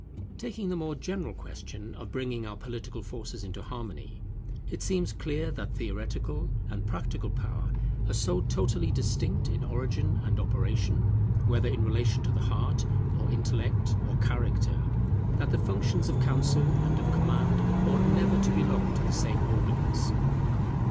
Taking the more general question of bringing our political forces into harmony, it seems clear that theoretical and practical power are so totally distinct in origin and operation, whether in relation to the heart, or intellect, or character, that the functions of counsel and of command ought never to belong to the same organs.